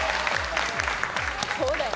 そうだよ。